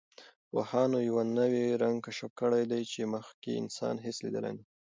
پوهانو یوه نوی رنګ کشف کړی دی چې مخکې انسان هېڅ لیدلی نه و.